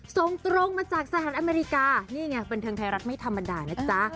ส่งตรงมาจากสหรัฐอเมริกานี่ไงบันเทิงไทยรัฐไม่ธรรมดานะจ๊ะ